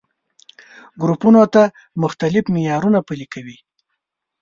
ګروپونو ته مختلف معيارونه پلي کوي.